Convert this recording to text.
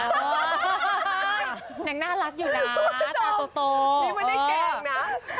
นางน่ารักอยู่นะตาโต